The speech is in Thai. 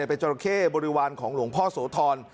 เป็นจราเข้บริวารของหลวงพ่อโสธร